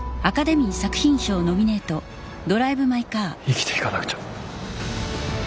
生きていかなくちゃ。